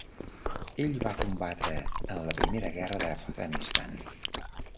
Ell va combatre en la primera Guerra d'Afganistan.